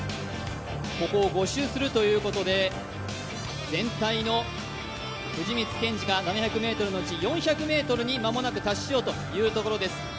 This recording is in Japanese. ここを５周するということで、全体の、藤光謙司が７００ｍのうち４００ｍに間もなく達しようというところです。